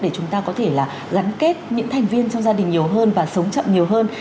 để chúng ta có thể là gắn kết những thành viên trong gia đình nhiều hơn và sống chậm nhiều hơn